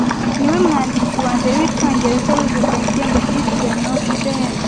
niwe mwanditsi wambere wicyongereza wegukanye igihembo cyitiriwe Nobel